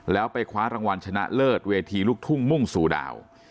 แล้วไปคว้ารางวัลชนะเลิศเวทีลูกทุ่งมุ่งสู่ดาว